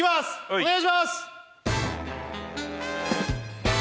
お願いします